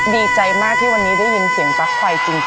ดีใจมากที่วันนี้ได้ยินเสียงปลั๊กไฟจริง